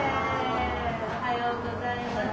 おはようございます。